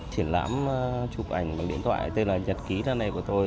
triển lãm chụp ảnh bằng điện thoại tên là nhật ký thế này của tôi